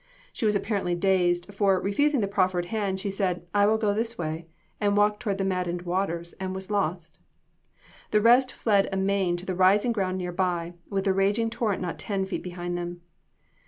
She was apparently dazed; for, refusing the proffered hand, she said, "I will go this way," walked toward the maddened waters, and was lost. The rest fled amain to the rising ground near by, with the raging torrent not ten feet behind them.